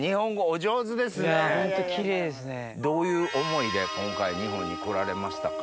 どういう想いで今回日本に来られましたか？